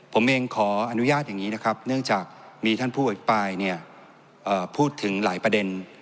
ผมเองขออนุญาตอย่างนี้นะครับเนื่องจากมีท่านผู้อภิปรายพูดถึงหลายประเด็น